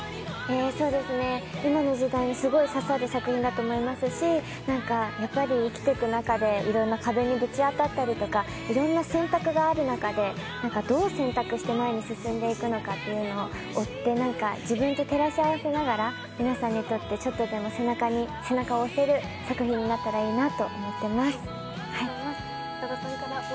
今の時代にすごい刺さる作品だと思いますし、生きていく中でいろいろな壁にぶち当たったりとか、いろんな選択がある中でどう選択して前に進んでいくのか追って、自分と照らし合わせながら皆さんにとってちょっとでも背中を押せる作品になったらいいなと思います。